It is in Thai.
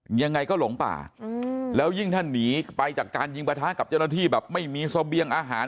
ยังไงก็หลงป่าแล้วยิ่งถ้าหนีไปจากการยิงประทะกับเจ้าหน้าที่แบบไม่มีเสบียงอาหาร